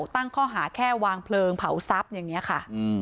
ตั้งข้อหาแค่วางเพลิงเผาทรัพย์อย่างนี้ค่ะ